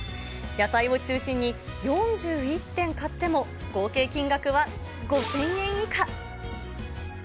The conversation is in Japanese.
野菜を中心に、４１点買っても、合計金額は５０００円以下。